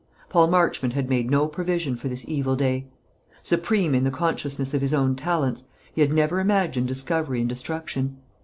Paul Marchmont had made no provision for this evil day. Supreme in the consciousness of his own talents, he had never imagined discovery and destruction.